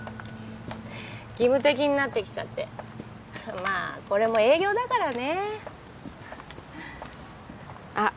義務的になってきちゃってまあこれも営業だからねあっ